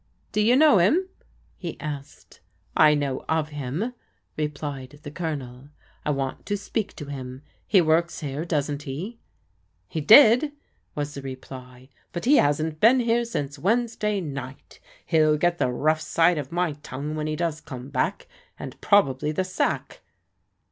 "Do you know him ?" he asked. "I know of him," replied the Colonel. "I want to speak to him. He works here, doesn't he ?" "He did," was the reply, "but he hasn't been here since Wednesday night. He'll get the rough side of my tCHigue when he does come back, and probably the sack."